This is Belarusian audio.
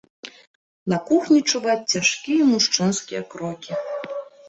На кухні чуваць цяжкія мужчынскія крокі.